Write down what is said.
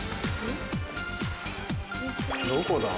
どこだ？